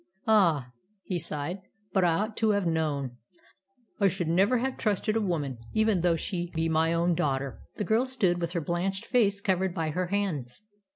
Ah," he sighed, "but I ought to have known! I should never have trusted a woman, even though she be my own daughter." The girl stood with her blanched face covered by her hands.